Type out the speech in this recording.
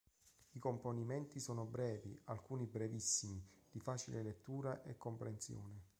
I componimenti sono brevi, alcuni brevissimi, di facile lettura e comprensione.